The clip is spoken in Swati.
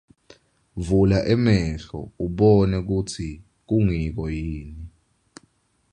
Vula emehlo ubone kutsi kungiko yini.